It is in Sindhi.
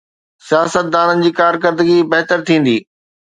سياستدانن جي ڪارڪردگي بهتر ٿيندي.